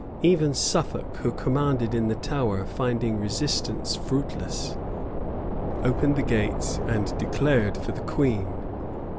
Even Suffolk, who commanded in the Tower, finding resistance fruitless, opened the gates, and declared for the queen.